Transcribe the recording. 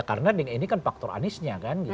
karena ini kan faktor aniesnya kan gitu